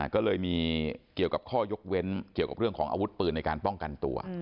ก็เลยมีเกี่ยวกับข้อยกเว้นเกี่ยวกับเรื่องของอาวุธปืนในการป้องกันตัว